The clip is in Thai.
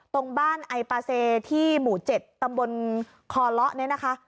ตรงบ้านไอปาเซที่หมู่๗ตำบลคอเลาะเนี่ยนะคะ